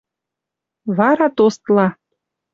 Вара тостла